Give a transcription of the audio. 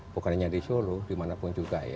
bukan hanya di solo dimanapun juga ya